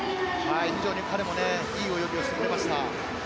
非常に彼もいい泳ぎをしてくれました。